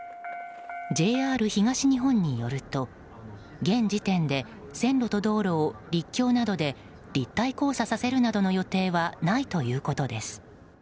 ＪＲ東日本によると現時点で、線路と道路を陸橋などで立体交差させるなどの予定はないということです。